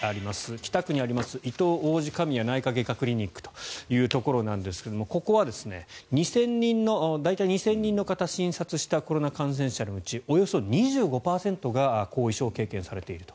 北区にありますいとう王子神谷内科外科クリニックですがここは大体２０００人の方を診察したコロナ感染者のうちおよそ２５％が後遺症を経験されていると。